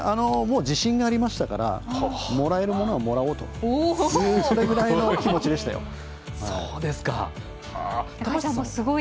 自信がありましたからもらえるものはもらおうというぐらいの気持ちでしたよ。